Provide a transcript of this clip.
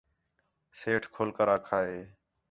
سیٹھ کھل کر آکھا ہِے